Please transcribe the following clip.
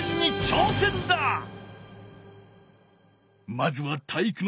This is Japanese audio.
まずは体育ノ